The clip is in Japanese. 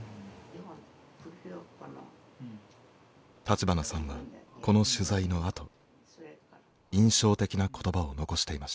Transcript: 立花さんはこの取材のあと印象的な言葉を残していました。